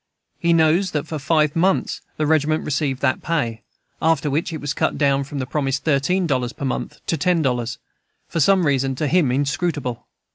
He knows that for five months the regiment received that pay, after which it was cut down from the promised thirteen dollars per month to ten dollars, for some reason to him inscrutable.